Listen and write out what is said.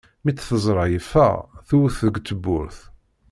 Mi t-teẓra yeffeɣ, tewwet deg tewwurt.